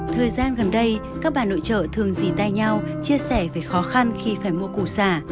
thời gian gần đây các bà nội trợ thường dì tay nhau chia sẻ về khó khăn khi phải mua củ xả